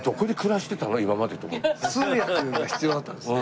通訳が必要だったんですね。